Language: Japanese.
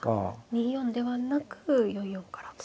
２四ではなく４四からと。